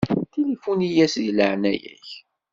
Tilifuni-yas di leɛnaya-k.